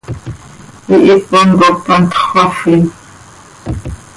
Hihipon cop hantx xöafin.